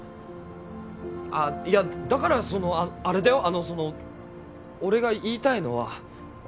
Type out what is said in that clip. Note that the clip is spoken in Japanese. あっいやだからそのあれだよあのその俺が言いたいのは。